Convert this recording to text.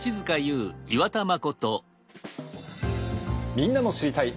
みんなの「知りたい！」